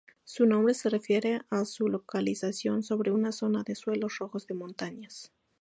Su nombre refiere a su localización sobre una zona de suelos rojos de montañas.